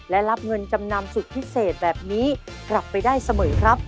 และรับเงินจำนำสุดพิเศษแบบนี้กลับไปได้เสมอครับ